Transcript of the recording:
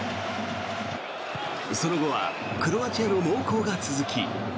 その後はクロアチアの猛攻が続き。